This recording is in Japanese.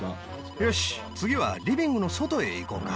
よし次はリビングの外へ行こうか。